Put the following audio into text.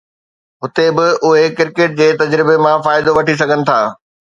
هتي به اهي ڪرڪيٽ جي تجربي مان فائدو وٺي سگهن ٿا.